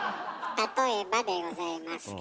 例えばでございますが。